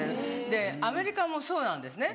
でアメリカもそうなんですね。